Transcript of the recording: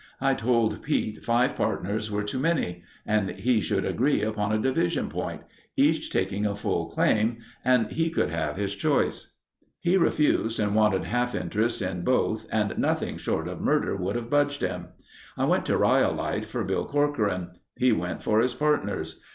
I told Pete five partners were too many and we should agree upon a division point—each taking a full claim and he could have his choice. "He refused and wanted half interest in both and nothing short of murder would have budged him. I went to Rhyolite for Bill Corcoran. He went for his partners.